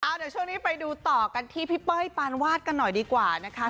เดี๋ยวช่วงนี้ไปดูต่อกันที่พี่เป้ยปานวาดกันหน่อยดีกว่านะคะ